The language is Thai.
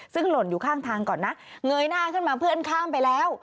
ซึ่งหล่นอยู่ข้างทางก่อนนะเงยหน้าขึ้นมาเพื่อนข้ามไปแล้ว